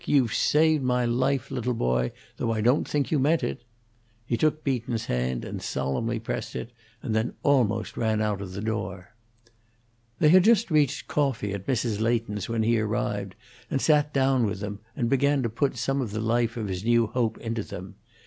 You've saved my life, little boy, though I don't think you meant it." He took Beaton's hand and solemnly pressed it, and then almost ran out of the door. They had just reached coffee at Mrs. Leighton's when he arrived and sat down with them and began to put some of the life of his new hope into them.